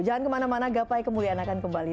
jangan kemana mana gapai kemuliaan akan kembali